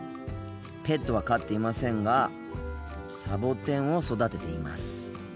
ペットは飼っていませんがサボテンを育てています。